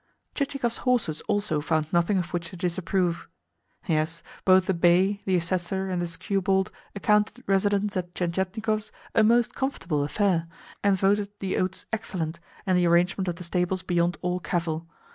Chichikov's horses also found nothing of which to disapprove. Yes, both the bay, the Assessor, and the skewbald accounted residence at Tientietnikov's a most comfortable affair, and voted the oats excellent, and the arrangement of the stables beyond all cavil.